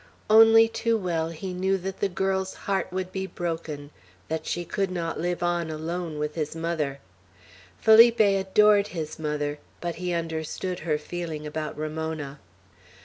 Only too well he knew that the girl's heart would be broken; that she could not live on alone with his mother. Felipe adored his mother; but he understood her feeling about Ramona.